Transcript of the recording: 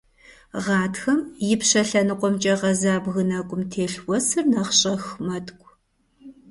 Гъатхэм ипщэ лъэныкъуэмкӀэ гъэза бгы нэкӀум телъ уэсыр нэхъ щӀэх мэткӀу.